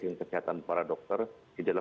tim kesehatan para dokter di dalam